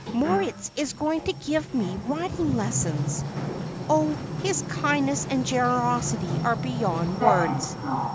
Moritz is going to give me riding lessons! Oh, his kindness and generosity are beyond words.